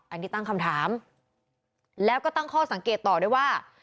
อันนี้ตั้งคำถามแล้วก็ตั้งข้อสังเกตต่อด้วยว่า